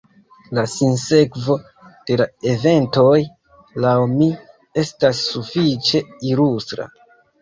La sinsekvo de la eventoj, laŭ mi, estas sufiĉe ilustra.